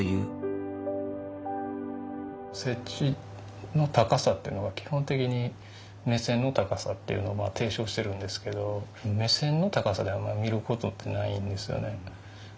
設置の高さっていうのが基本的に目線の高さっていうのを提唱しているんですけど目線の高さであんまり見る事ってないんですよね。